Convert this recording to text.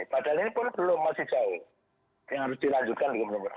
padahal ini pun belum masih jauh yang harus dilanjutkan gubernur